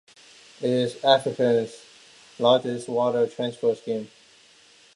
It is Africa's largest water transfer scheme.